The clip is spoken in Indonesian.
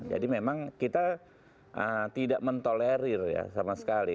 jadi memang kita tidak mentolerir ya sama sekali